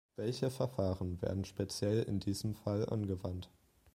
Welche Verfahren werden speziell in diesem Fall angewandt?